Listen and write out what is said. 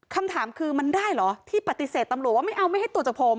คำถามคือมันได้เหรอที่ปฏิเสธตำรวจว่าไม่เอาไม่ให้ตรวจจากผม